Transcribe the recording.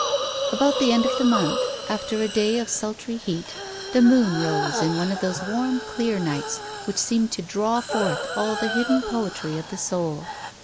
About the end of the month, after a day of sultry heat, the moon rose in one of those warm, clear nights which seem to draw forth all the hidden poetry of the soul.